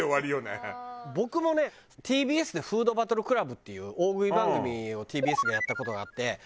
僕もねＴＢＳで『フードバトルクラブ』っていう大食い番組をＴＢＳでやった事があって。